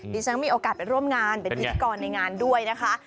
ฉันมีโอกาสไปร่วมงานเป็นพิธีกรในงานด้วยนะคะ